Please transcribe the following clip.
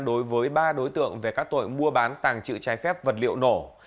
đối với ba đối tượng về các tội mua bán tàng trự trái phép vật liệu nổ